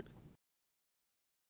cảm ơn các bạn đã theo dõi và hẹn gặp lại